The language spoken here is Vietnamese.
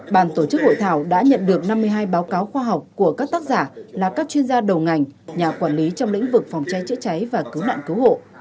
bàn tổ chức hội thảo đã nhận được năm mươi hai báo cáo khoa học của các tác giả là các chuyên gia đầu ngành nhà quản lý trong lĩnh vực phòng cháy chữa cháy và cứu nạn cứu hộ